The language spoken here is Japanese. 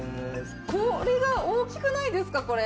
氷が大きくないですかこれ。